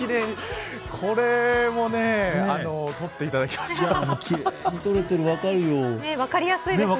これも撮っていただきました。